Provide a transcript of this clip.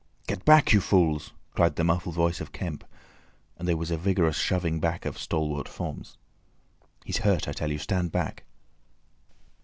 "Get back, you fools!" cried the muffled voice of Kemp, and there was a vigorous shoving back of stalwart forms. "He's hurt, I tell you. Stand back!"